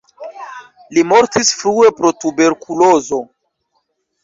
Li mortis frue pro tuberkulozo.